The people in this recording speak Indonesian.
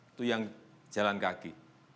itu yang jalan kaki